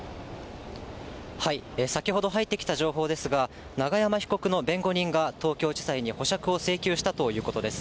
先ほど入ってきた情報ですが、永山被告の弁護人が東京地裁に保釈を請求したということです。